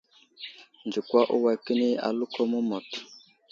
Nzikwa uway kəni aləko məmut.